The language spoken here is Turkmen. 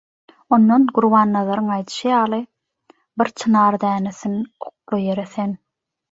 Ondan Gurbannazaryň aýdyşy ýaly «Bir çynar dänesin okla ýere sen…»